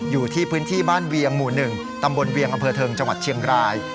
อยู่ที่พื้นที่บ้านเวียงหมู่๑ตำบลเวียงอำเภอเทิงจังหวัดเชียงราย